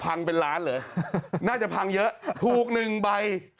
พังเป็นล้านเหรอน่าจะพังเยอะถูก๑ใบ